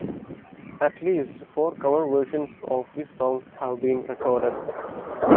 At least four cover versions of this song have been recorded.